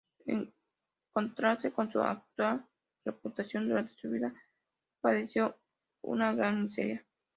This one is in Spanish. En contraste con su actual reputación, durante su vida padeció una gran miseria.